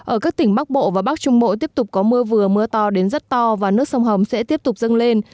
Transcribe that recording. ở các tỉnh bắc bộ và bắc trung bộ tiếp tục có mưa vừa mưa to đến rất to và nước sông hồng sẽ tiếp tục dâng lên